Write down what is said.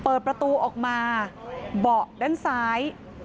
เปิดประตูออกมาเบาะด้านซ้าย